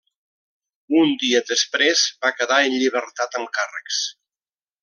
Un dia després va quedar en llibertat amb càrrecs.